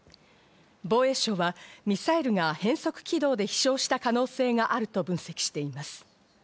防衛省はミサイルが変則軌道で飛翔した可能性があると分析しています。